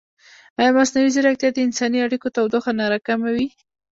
ایا مصنوعي ځیرکتیا د انساني اړیکو تودوخه نه راکموي؟